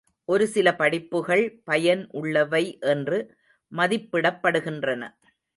ஒரு சில படிப்புகள் பயன் உள்ளவை என்று மதிப்பிடப்படுகின்றன.